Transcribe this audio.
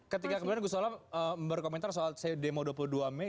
ketika kemudian gusola berkomentar soal demo dua puluh dua mei